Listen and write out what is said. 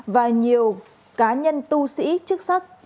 và nhiều cá nhân tu sĩ chức sắc